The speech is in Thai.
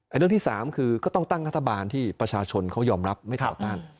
เรื่องที่สามคือก็ต้องตั้งรัฐบาลที่ประชาชนเขายอมรับไม่ต่อต้าน